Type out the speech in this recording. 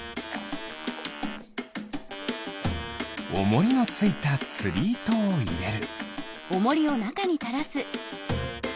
おもりのついたつりいとをいれる。